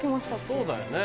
そうだよね。